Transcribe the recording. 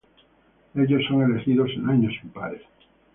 Ellos son elegidos en años impares.